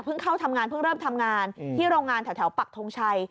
เข้าทำงานเพิ่งเริ่มทำงานที่โรงงานแถวปักทงชัย